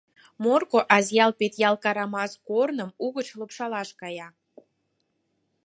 Морко, Азъял-Петъял, Карамас корным угыч «лупшаш» кая.